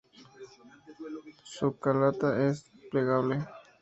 Su culata es plegable.